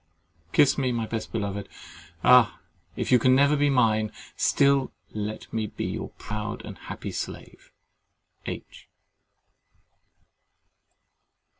Kiss me, my best beloved. Ah! if you can never be mine, still let me be your proud and happy slave. H.